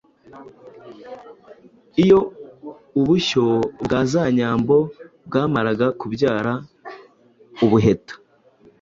iyo ubushyo bwa za nyambo bwamaraga kubyara ubuheta,